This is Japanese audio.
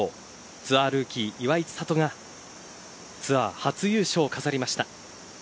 ツアールーキー岩井千怜がツアー初優勝を飾りました。